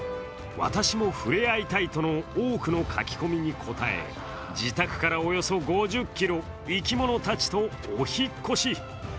私もふれあいたいとの多くの書き込みに応え、自宅からおよそ５０ｋｍ、生き物たちとお引っ越し。